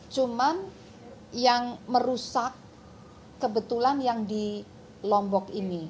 cuman yang merusak kebetulan yang di lombok ini